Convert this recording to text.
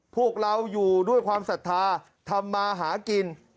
พวกเราอยู่ด้วยความศรัทธาทำมาหากิน